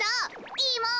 いいもん。